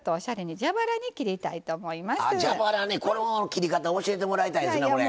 蛇腹の切り方教えてもらいたいですな。